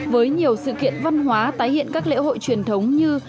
với nhiều sự kiện văn hóa tái hiện các lễ hội truyền thống như